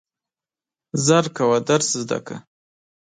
ژر کوه درس زده کړه !